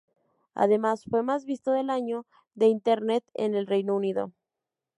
Además fue más visto del año de Internet en el Reino Unido.